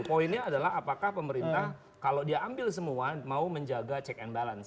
poinnya adalah apakah pemerintah kalau diambil semua mau menjaga check and balance